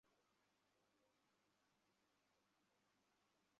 আরে, রূপালি!